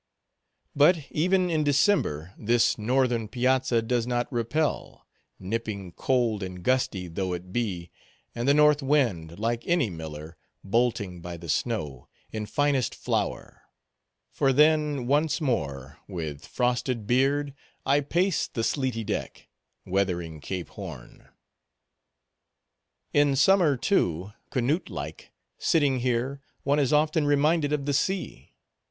But, even in December, this northern piazza does not repel—nipping cold and gusty though it be, and the north wind, like any miller, bolting by the snow, in finest flour—for then, once more, with frosted beard, I pace the sleety deck, weathering Cape Horn. In summer, too, Canute like, sitting here, one is often reminded of the sea.